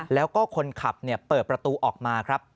แล้วก็คนขับเปิดประตูออกมาครับ